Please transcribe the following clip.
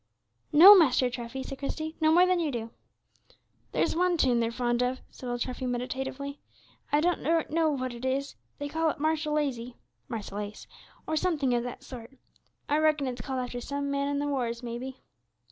"No, Master Treffy," said Christie; "no more than you do." "There's one tune they're very fond of," said old Treffy, meditatively; "I don't rightly know what it is; they call it 'Marshal Lazy' [Marseillaise], or something of that sort. I reckon it's called after some man in the wars, maybe."